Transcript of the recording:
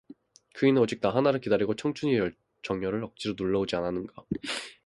그이는 오직 나 하나를 기다리고 청춘의 정열을 억지로 눌러 오지 않었는가.